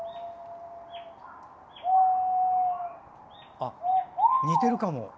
あ、似てるかも。